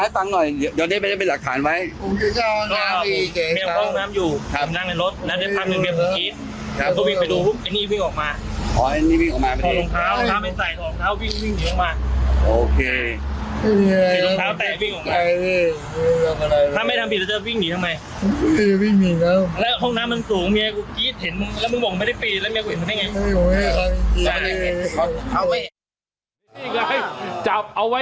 ถ้าไม่ทำผิดแล้วเจอวิ่งหนีทำไม